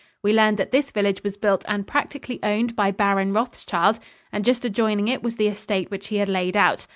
We learned that this village was built and practically owned by Baron Rothschild, and just adjoining it was the estate which he had laid out.